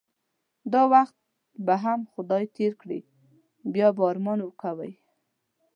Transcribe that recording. دا وخت به هم خدای تیر کړی بیا به ارمان کوی